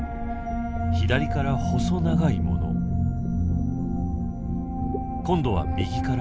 左から細長いもの？今度は右から？